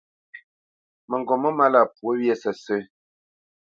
Mǝŋgop mó málá pwǒ wyê sǝ́sǝ̂.